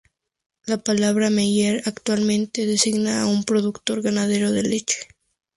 La palabra "Meier" actualmente designa a un productor ganadero de leche.